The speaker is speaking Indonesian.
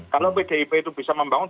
kalau pdip itu bisa membangun